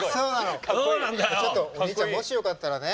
ちょっとお兄ちゃんもしよかったらね